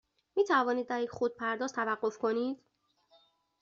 می توانید در یک خودپرداز توقف کنید؟